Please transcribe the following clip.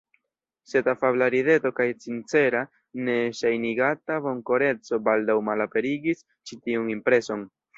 Sed afabla rideto kaj sincera, ne ŝajnigata bonkoreco baldaŭ malaperigis ĉi tiun impreson.